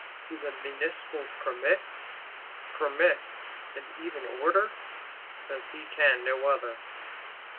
Do the Municipals permit? "Permit and even order,"—since he can no other.